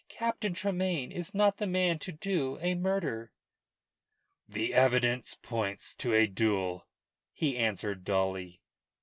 Captain Tremayne is not the man to do a murder." "The evidence points to a duel," he answered dully.